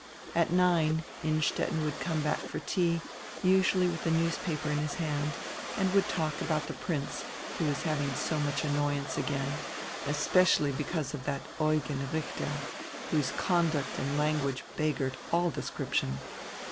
At nine Innstetten would come back for tea, usually with the news paper in his hand, and would talk about the Prince, who was having so much annoyance again, especially because of that Eugen Richter, whose conduct and language beggared all description.